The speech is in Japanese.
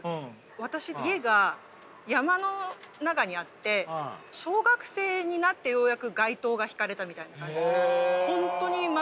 私家が山の中にあって小学生になってようやく街灯が引かれたみたいな感じ。